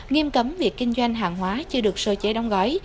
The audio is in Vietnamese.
nghiêm cấm việc kinh doanh hàng hóa chưa được sơ chế đóng gói